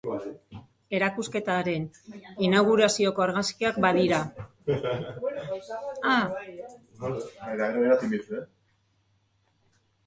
Erakusketa haren inaugurazioko argazkiak badira.